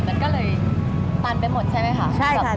มันก็เลยตันไปหมดใช่ไหมคะ